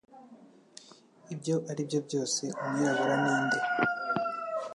Ibyo aribyo byose umwirabura ninde